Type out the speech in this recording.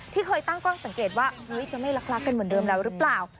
ที่เคยตั้งกล้องสังเกตว่าจะไม่รักกันเหมือนเดิมแล้วหรือเปล่า